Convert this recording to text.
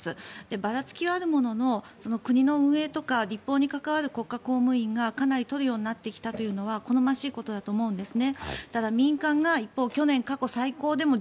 ばらつきはあるものの国の運営とか立法に関わる国家公務員がかなり取るようになってきているのは好ましいことだと思うんですね。